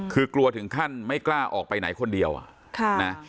คือกลัวถึงขั้นไม่กล้าออกไปไหนคนเดียวอ่ะค่ะนะ